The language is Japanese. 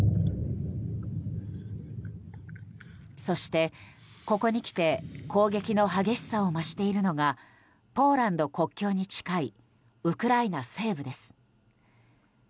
そして、ここにきて攻撃の激しさを増しているのがポーランド国境に近いウクライナ西部です。